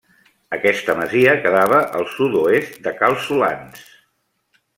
Aquesta masia quedava al sud-oest de Cal Solans.